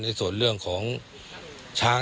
ในส่วนเรื่องของช้าง